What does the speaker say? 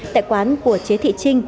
tại quán của chế thị